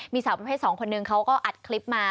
มีสาวผู้ให้สองคนหนึ่งเขาก็อัดคลิปมา